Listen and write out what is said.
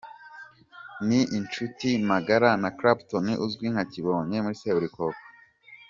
K ni inshuti magara na Clapton uzwi nka Kibonke muri Seburikoko.